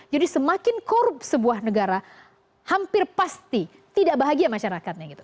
jadi semakin korup sebuah negara hampir pasti tidak bahagia masyarakatnya gitu